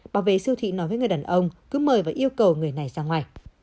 bảo vệ siêu thị nói với người đàn ông cứ mời và yêu cầu người này ra ngoài